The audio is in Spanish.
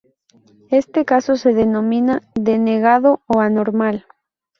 Este caso se denomina "degenerado" o "anormal".